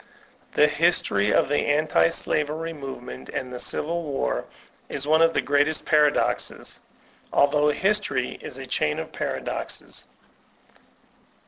The history of the anti slavery movement and the Civil War is one of the greatest of paradoxes, although history is a chain of paradoxes.